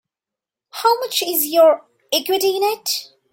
How much is your equity in it?